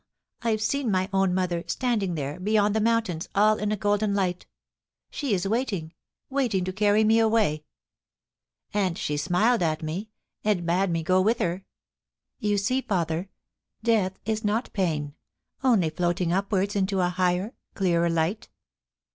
I've seen my own mother, standing there, beyond the moun tains, all in the golden light She is waiting — waiting to carry me away. And she smiled at me, and bade me go with her. You see, father, death is not pain — only floating upwards into a higher, clearer light